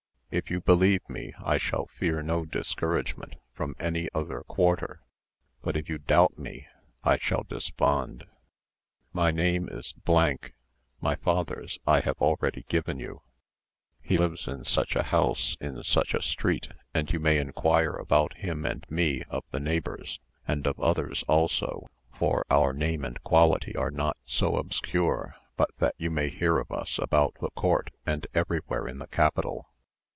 If you believe me I shall fear no discouragement from any other quarter, but if you doubt me, I shall despond. My name is——; my father's I have already given you; he lives in such a house in such a street and you may inquire about him and me of the neighbours, and of others also; for our name and quality are not so obscure but that you may hear of us about the court, and every, where in the capital.